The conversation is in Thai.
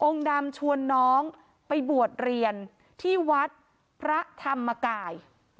ดำชวนน้องไปบวชเรียนที่วัดพระธรรมกาย